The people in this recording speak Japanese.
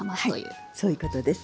はいそういうことです。